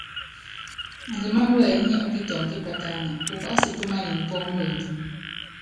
Andimáná wɛyí nyi ɔ́kitɔŋ kípatáŋɛ́, upási utúmanin pɔ́ muenyí.